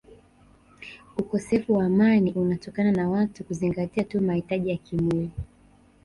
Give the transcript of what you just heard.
Ukosefu wa amani unatokana na watu kuzingatia tu mahitaji ya kimwili